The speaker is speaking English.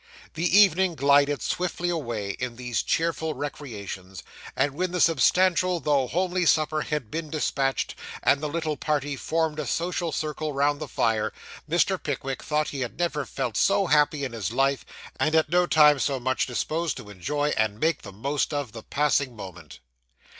The evening glided swiftly away, in these cheerful recreations; and when the substantial though homely supper had been despatched, and the little party formed a social circle round the fire, Mr. Pickwick thought he had never felt so happy in his life, and at no time so much disposed to enjoy, and make the most of, the passing moment.